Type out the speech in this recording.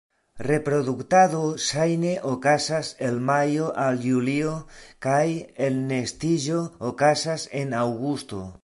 Reproduktado ŝajne okazas el majo al julio, kaj elnestiĝo okazas en aŭgusto.